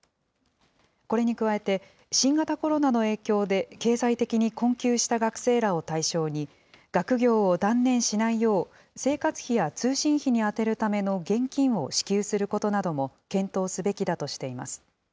これに加えて、新型コロナの影響で経済的に困窮した学生らを対象に、学業を断念しないよう、生活費や通信費に充てるための現金を支給することなども検討すべきだとしています。